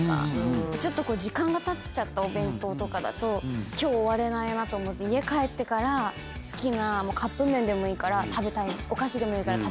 ちょっと時間がたっちゃったお弁当とかだと今日終われないなと思って家帰ってから好きなカップ麺でもいいからお菓子でもいいから食べたい。